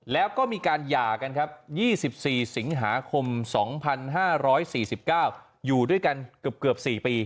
แล้วก็มีการหย่ากันครับ๒๔สิงหาคม๒๕๔๙อยู่ด้วยกันเกือบ๔ปี